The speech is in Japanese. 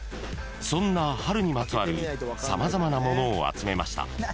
［そんな春にまつわる様々なものを集めました］